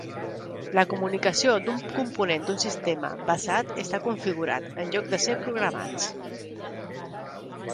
La comunicació d'un component d'un sistema basat està configurat, en lloc de ser programats.